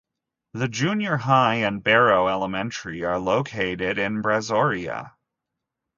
The junior high and Barrow Elementary are located in Brazoria.